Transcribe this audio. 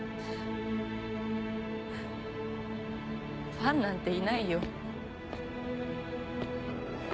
ファンなんていないよ。